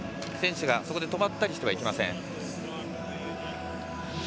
選手がそこで止まったりしてはいけません。